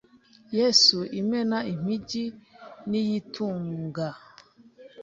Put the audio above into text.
“Yesu imena impigi”, “Niyitunga”,